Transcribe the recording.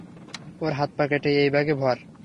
ওর হাত-পা কেটে এই ব্যাগে ভর।